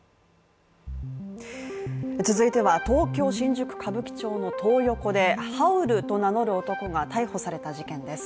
続いては、東京・新宿歌舞伎町のトー横でハウルと名乗る男が逮捕された事件です。